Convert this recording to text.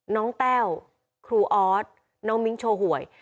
แต้วครูออสน้องมิ้งโชว์หวย